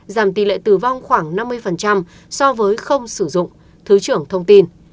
giảm tỷ lệ tử vong khoảng năm mươi so với không sử dụng thứ trưởng thông tin